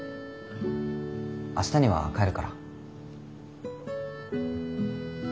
明日には帰るから。